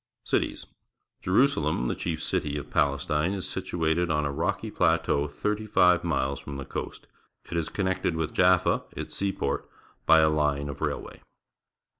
Cities. — J erusalcm, the chief city of Pales tine, is situated on a rocky plateau thirty five miles from the coast. It is connected with Jaffa, its seaport, by a line of railway.